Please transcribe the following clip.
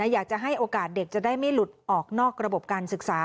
อยากจะให้โอกาสเด็กจะได้ไม่หลุดออกนอกระบบการศึกษา